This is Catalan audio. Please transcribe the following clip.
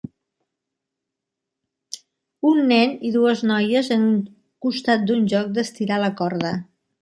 Un nen i dues noies en un costat d'un joc d'estirar la corda.